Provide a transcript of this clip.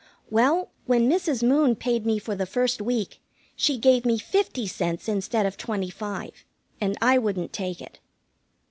Well, when Mrs. Moon paid me for the first week, she gave me fifty cents instead of twenty five, and I wouldn't take it.